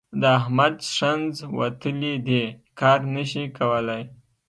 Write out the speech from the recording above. د احمد ښنځ وتلي دي؛ کار نه شي کولای.